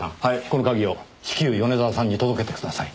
この鍵を至急米沢さんに届けてください。